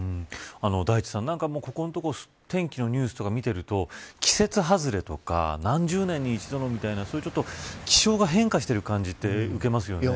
大地さん、ここのところ天気のニュースとかを見ていると季節外れとか何十年に一度みたいな気象が変化している感じを受けますよね。